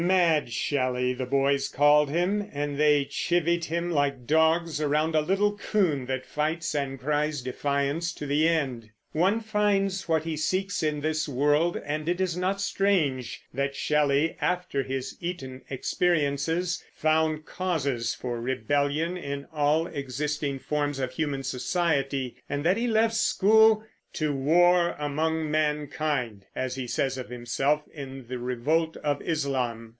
"Mad Shelley" the boys called him, and they chivied him like dogs around a little coon that fights and cries defiance to the end. One finds what he seeks in this world, and it is not strange that Shelley, after his Eton experiences, found causes for rebellion in all existing forms of human society, and that he left school "to war among mankind," as he says of himself in the Revolt of Islam.